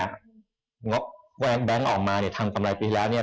เค้าบอกว่าแบงค์ออกมาเนี่ยทำเกมรายปีแล้วเนี่ย